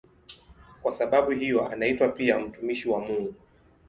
Kwa sababu hiyo anaitwa pia "mtumishi wa Mungu".